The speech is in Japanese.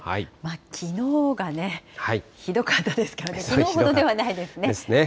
きのうがね、ひどかったですからね、きのうほどではないですですね。